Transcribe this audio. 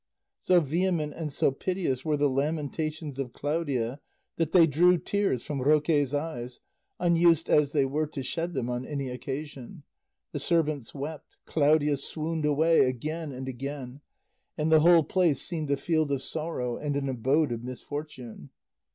So vehement and so piteous were the lamentations of Claudia that they drew tears from Roque's eyes, unused as they were to shed them on any occasion. The servants wept, Claudia swooned away again and again, and the whole place seemed a field of sorrow and an abode of misfortune.